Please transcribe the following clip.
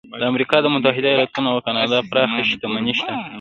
د امریکا متحده ایالتونو او کاناډا پراخه شتمني شته.